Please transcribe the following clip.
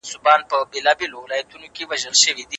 ایا اقتصادي وده او پرمختیا ورته مانا لري؟